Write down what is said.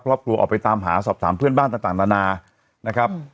ครอบครัวออกไปตามหาสอบถามเพื่อนบ้านต่างนานา